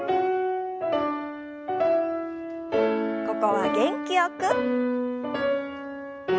ここは元気よく。